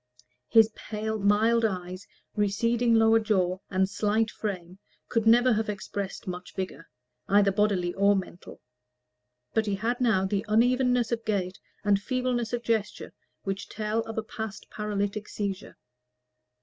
His pale mild eyes, receding lower jaw, and slight frame, could never have expressed much vigor, either bodily or mental; but he had now the unevenness of gait and feebleness of gesture which tell of a past paralytic seizure.